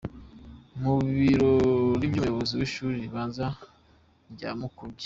Mu biro by’umuyobozi w’ishuri ribanza rya Mukuge.